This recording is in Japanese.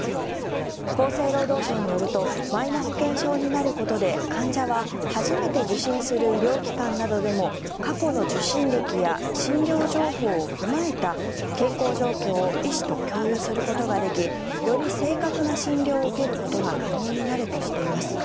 厚生労働省によるとマイナ保険証になることで患者は初めて受診する医療機関などでも過去の受診歴や診療情報を踏まえた健康状況を医師と共有することができより正確な診療を受けることが可能になるとしています。